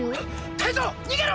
タイゾウにげろ！